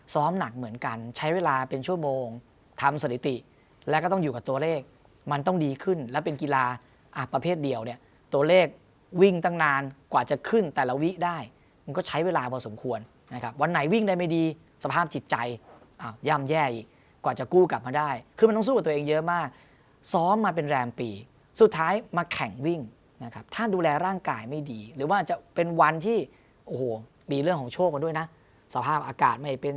ซ้อมหนักเหมือนกันใช้เวลาเป็นชั่วโมงทำสถิติแล้วก็ต้องอยู่กับตัวเลขมันต้องดีขึ้นแล้วเป็นกีฬาประเภทเดียวเนี่ยตัวเลขวิ่งตั้งนานกว่าจะขึ้นแต่ละวิได้มันก็ใช้เวลาพอสมควรนะครับวันไหนวิ่งได้ไม่ดีสภาพจิตใจย่ำแย่อีกกว่าจะกู้กลับมาได้คือมันต้องสู้กับตัวเองเยอะมากซ้อมมาเป็น